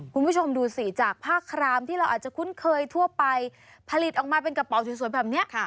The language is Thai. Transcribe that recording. คุณผู้ชมดูสิจากผ้าครามที่เราอาจจะคุ้นเคยทั่วไปผลิตออกมาเป็นกระเป๋าสวยแบบนี้